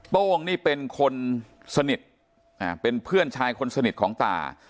โป้งนี่เป็นคนสนิทเป็นเพื่อนชายคนสนิทของตา